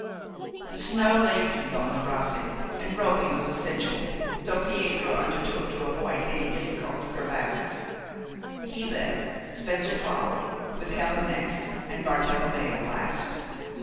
The snow lay deep on the Roseg, and roping was essential, though Pietro undertook to avoid any difficult crevasses. He led, Spencer followed, with Helen next, and Bartelommeo last.